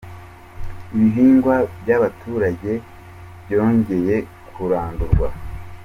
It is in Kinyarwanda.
Ibihingwa by’abaturage byongeye kurandurwa